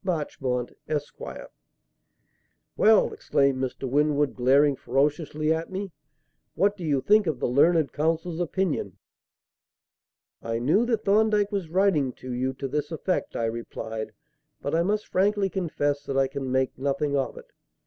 MARCHMONT, ESQ." "Well!" exclaimed Mr. Winwood, glaring ferociously at me, "what do you think of the learned counsel's opinion?" "I knew that Thorndyke was writing to you to this effect," I replied, "but I must frankly confess that I can make nothing of it.